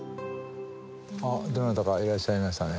あっどなたかいらっしゃいましたね。